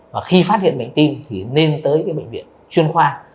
và khi phát hiện bệnh tim thì nên tới cái bệnh viện chuyên khoa